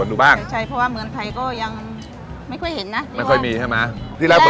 คนที่มาทานอย่างเงี้ยควรจะมาทานแบบคนเดียวนะครับ